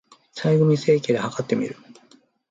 体組成計で計ってみる